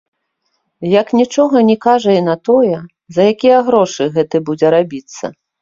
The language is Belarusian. Як нічога не кажа і на тое, за якія грошы гэты будзе рабіцца.